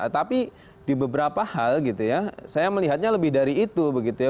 tapi di beberapa hal gitu ya saya melihatnya lebih dari itu begitu ya